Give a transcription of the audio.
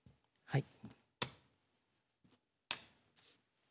はい。